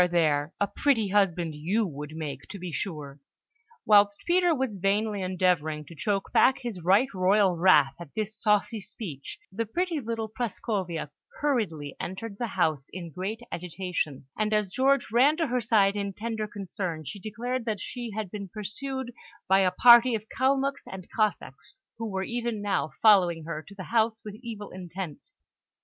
There! A pretty husband you would make, to be sure!" Whilst Peter was vainly endeavouring to choke back his right royal wrath at this saucy speech, the pretty little Prascovia hurriedly entered the house, in great agitation; and as George ran to her side in tender concern, she declared that she had been pursued by a party of Kalmuks and Cossacks, who were even now following her to the house with evil intent.